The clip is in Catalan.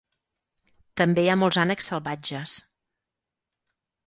També hi ha molts ànecs salvatges.